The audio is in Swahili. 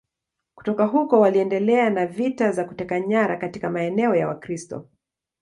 Kutoka huko waliendelea na vita za kuteka nyara katika maeneo ya Wakristo.